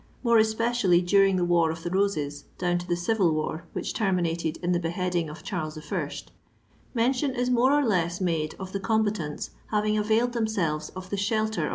more especially during the war of the Roses, do«ii to the civil wnr which terminated in the beheading of Charles I., mention is more or less made of the combatants having availed themselves of the shelter of the rubbish in the streets.